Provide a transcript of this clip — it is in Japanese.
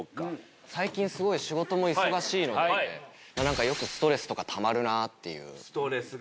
最近すごい仕事も忙しいのでよくストレスとかたまるなぁっていう。